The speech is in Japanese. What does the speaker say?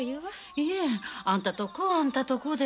いえあんたとこはあんたとこで。